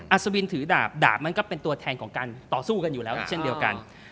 อสวินถือดาบดาบมันก็เป็นตัวแทนของการต่อสู้กันอยู่แล้วเช่นเดียวกัน